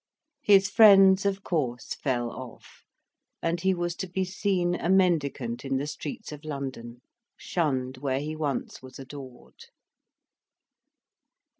His friends, of course, fell off, and he was to be seen a mendicant in the streets of London shunned where he once was adored.